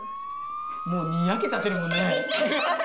もうにやけちゃってるもんね。